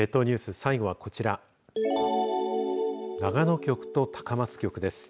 最後はこちら長野局と高松局です。